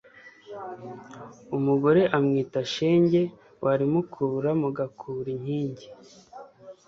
umugore umwita shenge warimukura mugakura inkingi